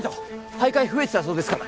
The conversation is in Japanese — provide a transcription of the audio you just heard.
はいかい増えてたそうですから。